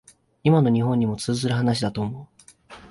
今の日本にも通じる話だと思う